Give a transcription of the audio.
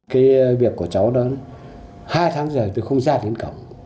cái việc của cháu nó hai tháng rồi tôi không ra đến cổng